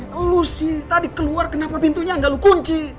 ya lu sih tadi keluar kenapa pintunya gak lu kunci